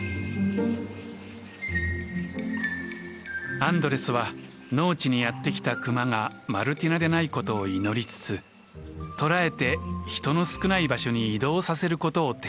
アンドレスは農地にやって来たクマがマルティナでないことを祈りつつ捕らえて人の少ない場所に移動させることを提案しました。